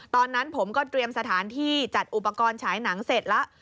ตอนนั้นผมก็เตรียมสถานที่จัดอุปกรณ์ฉายหนังเสร็จแล้ว